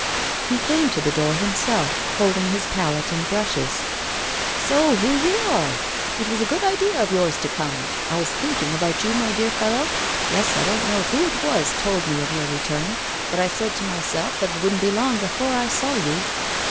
He came to open the door himself, holding his palette and brushes. 'So here you are! It was a good idea of yours to come! I was thinking about you, my dear fellow. Yes, I don't know who it was that told me of your return, but I said to myself that it wouldn't be long before I saw you.